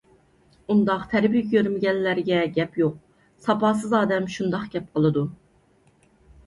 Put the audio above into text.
ئۇنداق تەربىيە كۆرمىگەنلەرگە گەپ يوق. ساپاسىز ئادەم شۇنداق گەپ قىلىدۇ.